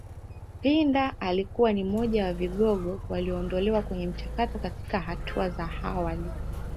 Pinda alikuwa ni mmoja wa vigogo walioondolewa kwenye mchakato katika hatua za awali